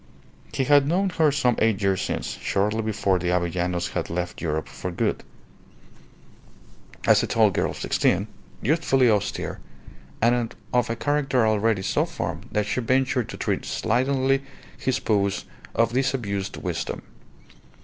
He had known her some eight years since, shortly before the Avellanos had left Europe for good, as a tall girl of sixteen, youthfully austere, and of a character already so formed that she ventured to treat slightingly his pose of disabused wisdom.